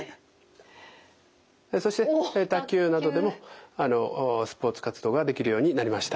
そして卓球などでもスポーツ活動ができるようになりました。